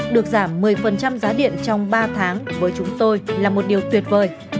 được giảm một mươi giá điện trong ba tháng với chúng tôi là một điều tuyệt vời